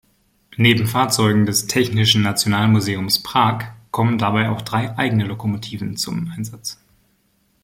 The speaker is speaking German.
Neben Fahrzeugen des "Technischen Nationalmuseums Prag" kommen dabei auch drei eigene Lokomotiven zum Einsatz.